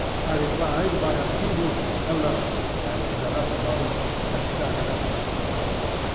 I replied by a feeble "Hullo!" and in another moment had staggered up to him.